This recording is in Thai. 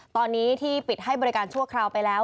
ตอนนี้ที่ปิดให้บริการชั่วคราวไปแล้ว